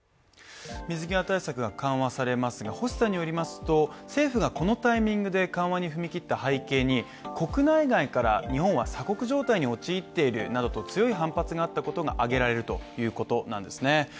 水際対策が緩和されますが星さんによりますと政府がこのタイミングで緩和に踏み切った背景に国内外から日本は鎖国状態に陥っているなどと強い反発があったことが挙げられるということなんですね。